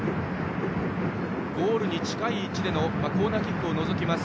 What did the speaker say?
ゴールに近い位置でのコーナーキックを除きます